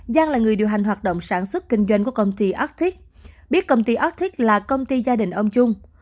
giang là người điều hành hoạt động sản xuất kinh doanh của công ty attick biết công ty atrix là công ty gia đình ông trung